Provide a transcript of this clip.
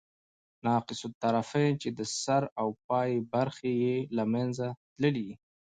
ناقص الطرفین، چي د سر او پای برخي ئې له منځه تللي يي.